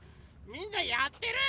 みんなやってる？